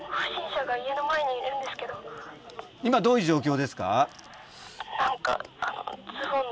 今どういう状況ですか？